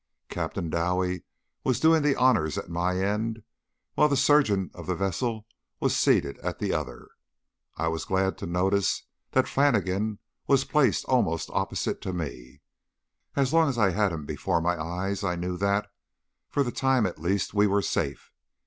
Captain Dowie was doing the honours at my end, while the surgeon of the vessel was seated at the other. I was glad to notice that Flannigan was placed almost opposite to me. As long as I had him before my eyes I knew that, for the time at least, we were safe.